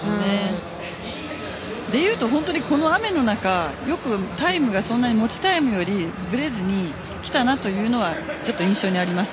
それでいうと、この雨の中よくタイムが持ちタイムよりぶれずに来たなというのは印象にあります。